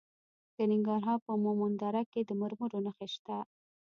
د ننګرهار په مومند دره کې د مرمرو نښې شته.